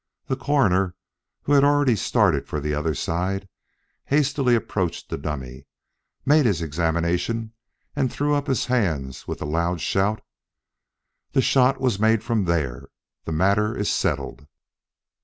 The Coroner, who had already started for the other side, hastily approached the dummy, made his examination and threw up his hand with the loud shout: "The shot was made from there; the matter is settled!"